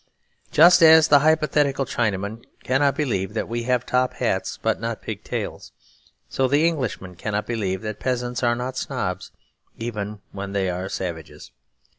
Just as the hypothetical Chinaman cannot believe that we have top hats but not pig tails, so the Englishman cannot believe that peasants are not snobs even when they are savages.